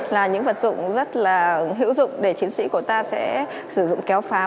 là những vật dụng rất là hữu dụng để chiến sĩ của ta sẽ sử dụng kéo pháo